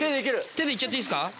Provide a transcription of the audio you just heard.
手でいっちゃっていいっすか？